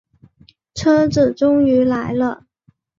车子终于来了